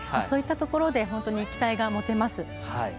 そういったところで本当に期待が持てます。